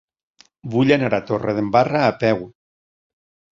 Vull anar a Torredembarra a peu.